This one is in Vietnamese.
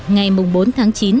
ngày bốn tháng chín